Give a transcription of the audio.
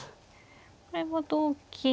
これは同金。